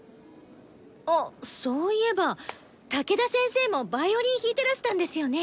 あそういえば武田先生もヴァイオリン弾いてらしたんですよね？